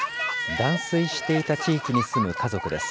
断水していた地域に住む家族です。